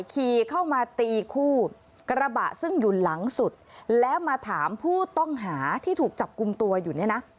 ขี่เข้ามาตีคู่กระบะซึ่งอยู่หลังสุดแล้วมาถามผู้ต้องหาที่ถูกจับกลุ่มตัวอยู่เนี่ยนะ